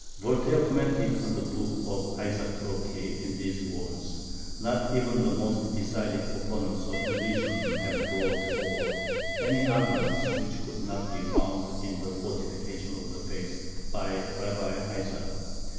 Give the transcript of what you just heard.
Voltaire commented on the book of Isaac Troki in these words: "Not even the most decided opponents of religion have brought forward any arguments which could not be found in the 'Fortification of the Faith' by Rabbi Isaac."